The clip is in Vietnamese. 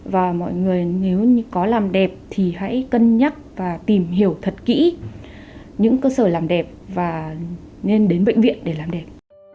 và mọi người nếu có làm đẹp thì hãy cân nhắc và tìm hiểu thật kỹ những cơ sở làm đẹp và nên đến bệnh viện để làm đẹp